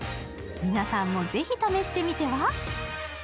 皆さんもぜひ試してみては？